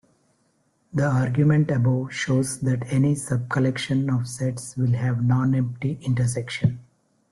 The argument above shows that any subcollection of sets will have nonempty intersection.